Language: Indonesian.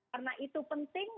karena itu penting